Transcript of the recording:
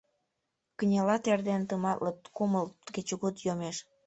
Кынелат эрдене Тыматле кумыл кечыгут йомеш.